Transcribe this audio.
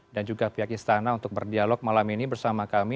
dan juga pihak istana untuk berdialog malam ini bersama kami